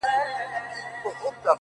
د زيارتـونو يې خورده ماتـه كـړه.